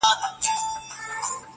شاعر باید درباري نه وي-